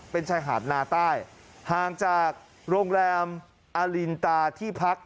เป็นชายหาดนาใต้ห่างจากโรงแรมอลินตาที่พัก